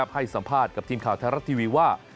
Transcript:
ให้สัมภาษณ์กับทีมข่าวไทยรัฐทีวีว่า